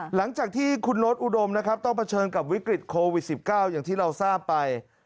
หลังจากที่คุณโน๊ตอุดมนะครับต้องเผชิญกับวิกฤตโควิด๑๙อย่างที่เราทราบไป